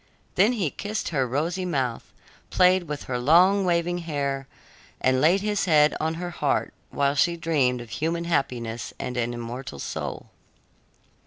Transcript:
Then he kissed her rosy mouth, played with her long, waving hair, and laid his head on her heart, while she dreamed of human happiness and an immortal soul.